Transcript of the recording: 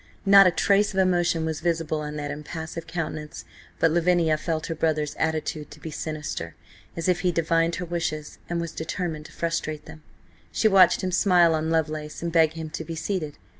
Not a trace of emotion was visible on that impassive countenance, but Lavinia felt her brother's attitude to be sinister, as if he divined her wishes and was determined to frustrate them. She watched him smile on Lovelace and beg him to be seated.